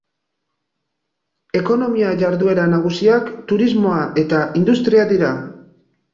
Ekonomia-jarduera nagusiak turismoa eta industria dira.